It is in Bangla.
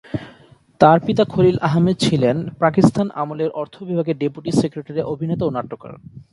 তার পিতা খলিল আহমেদ ছিলেন পাকিস্তান আমলের অর্থ বিভাগের ডেপুটি সেক্রেটারি এবং অভিনেতা ও নাট্যকার।